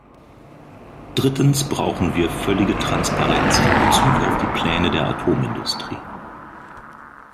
Drittens brauchen wir völlige Transparenz in Bezug auf die Pläne der Atomindustrie.